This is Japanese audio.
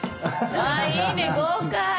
あいいね豪快！